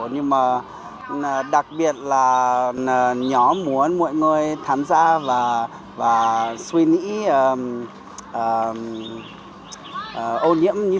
nhưng mà đặc biệt là nhóm muốn mọi người tham gia và suy nghĩ